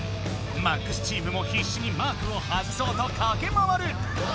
「ＭＡＸ」チームもひっしにマークを外そうとかけまわる！